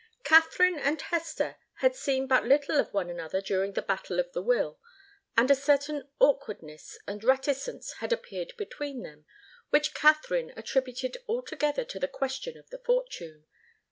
Katharine and Hester had seen but little of one another during the battle of the will, and a certain awkwardness and reticence had appeared between them, which Katharine attributed altogether to the question of the fortune.